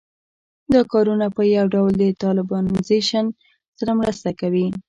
دا کارونه په یو ډول د طالبانیزېشن سره مرسته کوي